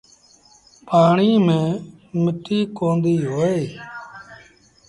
پآڻي ميݩ مٽيٚ ڪونديٚ هوئي۔